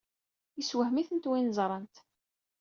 Yessewhem-itent wayen ẓrant.